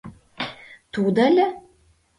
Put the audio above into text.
— Тудо ыле.